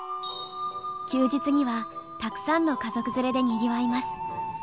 休日にはたくさんの家族連れでにぎわいます。